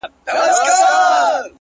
چي در رسېږم نه. نو څه وکړم ه ياره.